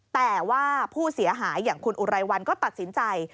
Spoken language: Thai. แต่ว่าผู้เสียหายอย่างคุณอุไรวันก็ตัดสินใจ